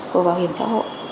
của bảo hiểm xã hội